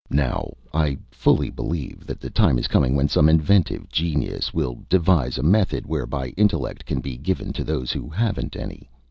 Now I fully believe that the time is coming when some inventive genius will devise a method whereby intellect can be given to those who haven't any.